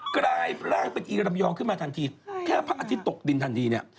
กลายร่างเป็นอีรำยองขึ้นมาทันทีแค่พระอาทิตย์ตกดินทันทีเนี่ย